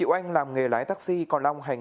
giá lợn hơi xuống thấp